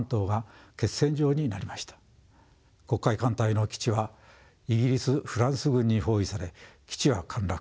黒海艦隊の基地はイギリスフランス軍に包囲され基地は陥落。